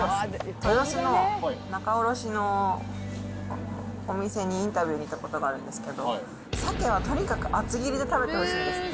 豊洲の仲卸のお店にインタビューに行ったことがあるんですけど、サケはとにかく厚切りで食べてほしいんですって。